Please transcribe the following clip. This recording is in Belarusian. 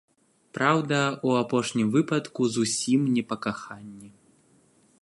Праўда, у апошнім выпадку зусім не па каханні.